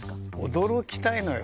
驚きたいのよ。